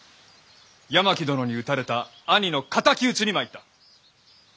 八巻殿に討たれた兄の敵討ちに参った。